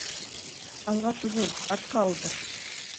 Алға түгел, артҡа ултыр!